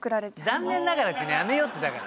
「残念ながら」って言うのやめよってだから。